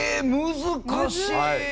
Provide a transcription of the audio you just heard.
難しい。